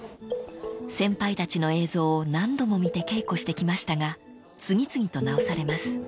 ［先輩たちの映像を何度も見て稽古してきましたが次々と直されます］